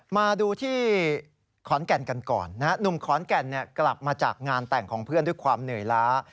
มาดูที่ขอนแก่นกันก่อนนะฮะหนุ่มขอนแก่นกลับมาจากงานแต่งของเพื่อนด้วยความเหนื่อยล้า